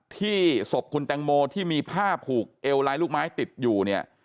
ที่ศพคุณแตงโมที่มีผ้าผูกเอวลายลูกไม้ติดอยู่เนี่ย